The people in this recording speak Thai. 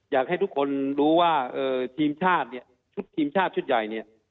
อยากให้ทุกคนรู้ว่าทีมชาติเนี่ยชุดทีมชาติชุดใหญ่เนี่ย